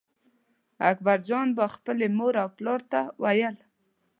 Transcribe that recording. اکبرجان به خپل مور او پلار ته ویل.